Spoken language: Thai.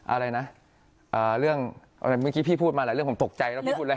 อะไรนะเรื่องอะไรเมื่อกี้พี่พูดมาหลายเรื่องผมตกใจแล้วพี่พูดอะไร